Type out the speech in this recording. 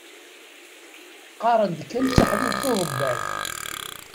Qqaren-d kan d taḥbibt uḍebbal.